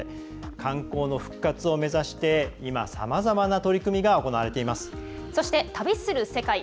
観光の復活を目指して今、さまざまな取り組みがそして、「旅する世界」。